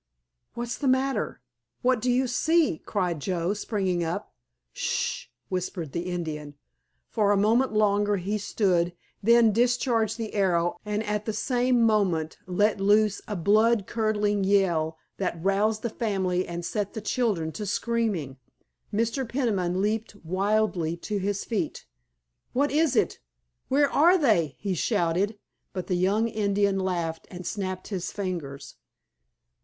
"What's the matter? What do you see?" cried Joe, springing up. "Sh sh!" whispered the Indian. For a moment longer he stood, then discharged the arrow and at the same moment let loose a blood curdling yell that roused the family and set the children to screaming. Mr. Peniman leaped wildly to his feet. "What is it? Where are they?" he shouted, but the young Indian laughed and snapped his fingers.